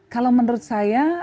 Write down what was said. kalau menurut saya